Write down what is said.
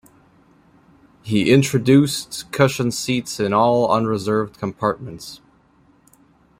He introduced cushion seats in all unreserved compartments.